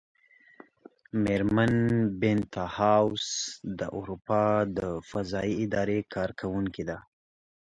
مېرمن بینتهاوس د اروپا د فضايي ادارې کارکوونکې ده.